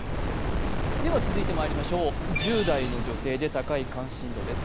では続いてまいりましょう、１０代の女性で高い関心度です。